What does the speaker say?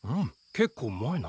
結構うまいな。